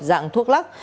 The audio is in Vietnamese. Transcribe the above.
dạng thuốc lắc